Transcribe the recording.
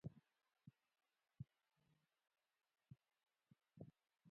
الوتکه د وطن دفاع ته کارېږي.